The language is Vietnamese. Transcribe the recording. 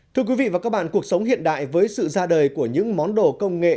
thưa quý vị và các bạn cuộc sống hiện đại với sự ra đời của những món đồ công nghệ